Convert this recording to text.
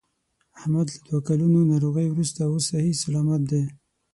احمد له دوه کلونو ناروغۍ ورسته اوس صحیح صلامت دی.